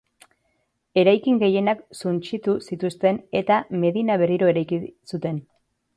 Eraikin gehienak suntsitu zituzten eta medina berriro ere eraiki zuten.